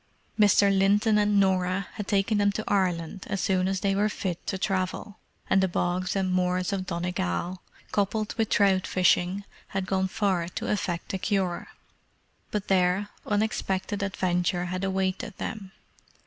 Mr. Linton and Norah had taken them to Ireland as soon as they were fit to travel; and the bogs and moors of Donegal, coupled with trout fishing, had gone far to effect a cure. But there, unexpected adventure had awaited them.